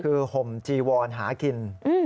คือห่มจีวอนหากิน